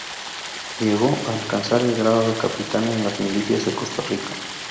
Llegó a alcanzar el grado de capitán en las milicias de Costa Rica.